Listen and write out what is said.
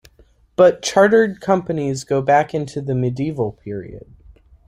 But chartered companies go back into the medieval period.